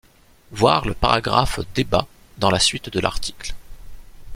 Voir le paragraphe Débat dans la suite de l'article.